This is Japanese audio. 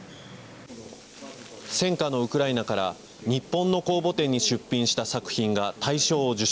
戦禍のウクライナから日本の公募展に出品した作品が大賞を受賞。